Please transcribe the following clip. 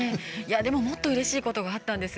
でも、もっとうれしいことがあったんです。